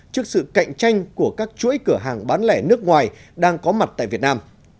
trước sự cạnh tranh của các chuỗi cửa hàng bán lẻ nước ngoài đang có mặt tại việt nam